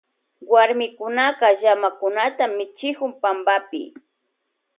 Warmikunaka llamakunata michikun pampapi.